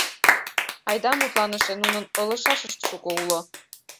Айда мутланыше нунын ойлышашышт шуко уло.